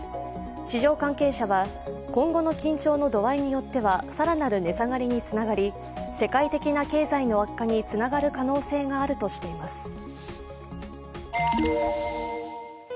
市場関係者は今後の緊張の度合いによっては更なる値下がりにつながり世界的な経済の悪化につながる可能性があるとしています。